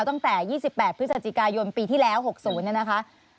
ตั้งแต่๒๘พฤศจิกายนปีที่แล้ว๖๐เนี่ยนะคะ